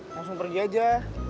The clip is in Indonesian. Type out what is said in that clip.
langsung pergi aja